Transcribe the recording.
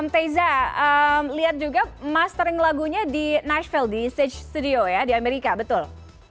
teza lihat juga mastering lagunya di nachfel di stage studio ya di amerika betul